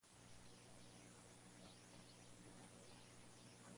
El segundo incidente implica la existencia de mangostas.